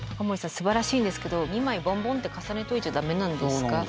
すばらしいんですけど２枚ボンボンって重ねといちゃ駄目なんですか？